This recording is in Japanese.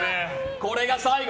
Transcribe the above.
これが最後？